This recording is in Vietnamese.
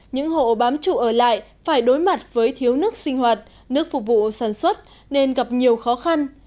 những hộ bám trụ ở lại phải đối mặt với thiếu nước sinh hoạt nước phục vụ sản xuất nên gặp nhiều khó khăn